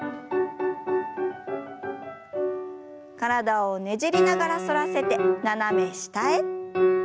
体をねじりながら反らせて斜め下へ。